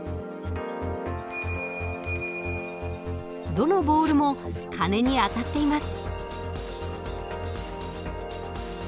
どのボールも鐘に当たっています。